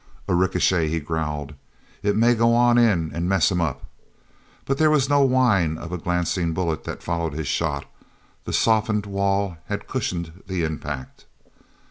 "A ricochet," he growled. "It may go on in and mess 'em up." But there was no whine of a glancing bullet that followed his shot; the softened wall had cushioned the impact.